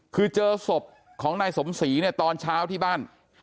คือเจอศพของนายสมศรีเนี่ยตอนเช้าที่บ้าน